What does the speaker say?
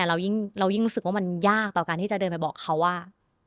เรายิ่งรู้สึกว่ามันยากต่อการที่จะเดินไปบอกเขาว่า